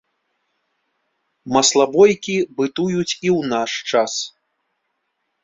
Маслабойкі бытуюць і ў наш час.